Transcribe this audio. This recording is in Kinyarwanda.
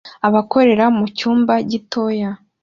Akorera mu cyumba Gitoya